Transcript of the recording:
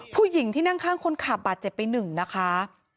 ผู้หญิงที่นั่งข้างคนขับบาดเจ็บไปหนึ่งนะคะ